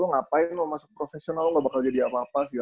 lo ngapain lo masuk profesional lo gak bakal jadi apa apa sih gitu kan